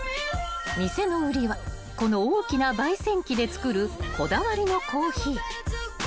［店の売りはこの大きな焙煎機で作るこだわりのコーヒー］